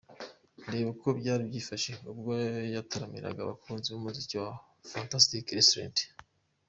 Reba uko byari byifashe ubwo yataramiraga abakunzi b'umuziki muri Fantastic restaurant.